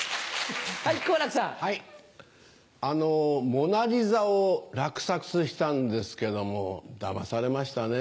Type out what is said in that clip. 『モナ・リザ』を落札したんですけどもだまされましたね。